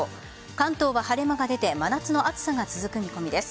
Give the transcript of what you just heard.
関東は晴れ間が出て真夏の暑さが続く見込みです。